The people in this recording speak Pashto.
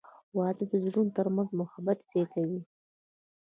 • واده د زړونو ترمنځ محبت زیاتوي.